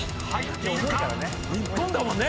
日本だもんね。